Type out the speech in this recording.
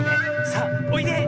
さあおいで！